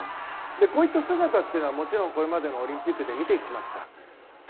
こういった姿ってもちろん、これまでもオリンピックで見てきました。